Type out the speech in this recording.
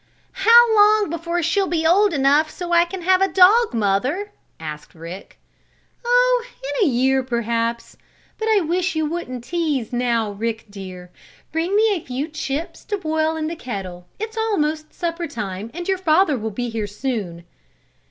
"How long before she'll be old enough so I can have a dog, mother?" asked Rick. "Oh, in a year, perhaps. But I wish you wouldn't tease now, Rick, dear. Bring me a few chips to boil the kettle. It's almost supper time and your father will be here soon."